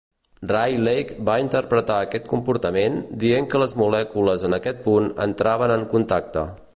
Rayleigh va interpretar aquest comportament dient que les molècules en aquest punt entraven en contacte.